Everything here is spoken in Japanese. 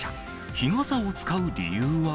日傘を使う理由は。